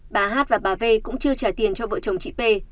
bà hát và bà v cũng chưa trả tiền cho vợ chồng chị p